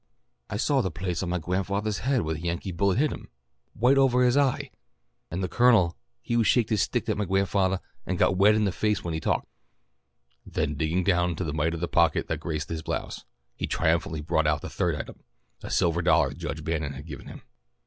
"I saw the place on my gwan'fahvah's head where the Yankee bullet hit him, wite over his eye! An' the Colonel he shaked his stick at my gwan'fahvah, and got wed in the face when he talked." Then digging down into the mite of a pocket that graced his blouse, he triumphantly brought out the third item, a silver dollar that Judge Bannon had given him.